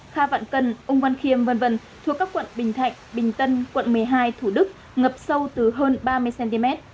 kha vạn cân úng văn khiêm v v thuộc các quận bình thạnh bình tân quận một mươi hai thủ đức ngập sâu từ hơn ba mươi cm